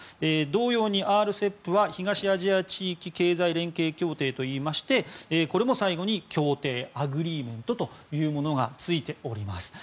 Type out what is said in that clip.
同様にＲＣＥＰは東アジア地域経済連携協定といいましてこれも最後に協定アグリーメントというものがついています。